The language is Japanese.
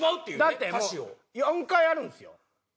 だって４回あるんですよ。